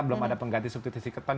belum ada pengganti substitusi keton